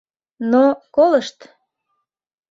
Но колышт.